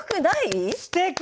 すてき！